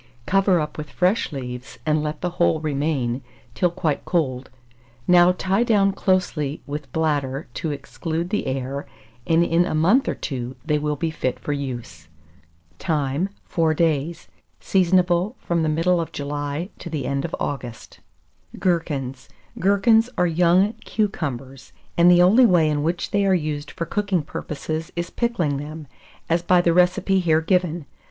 Cover up with fresh leaves, and let the whole remain till quite cold. Now tie down closely with bladder to exclude the air, and in a month or two, they will be fit for use. Time. 4 days. Seasonable from the middle of July to the end of August. [Illustration: GHERKINS.] GHERKINS. Gherkins are young cucumbers; and the only way in which they are used for cooking purposes is pickling them, as by the recipe here given.